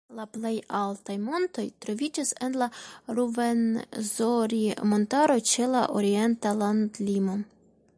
La plej altaj montoj troviĝas en la Ruvenzori-montaro ĉe la orienta landlimo.